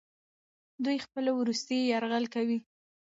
دوی خپل وروستی یرغل کوي.